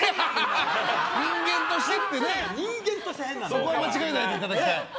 そこは間違えないでいただきたい。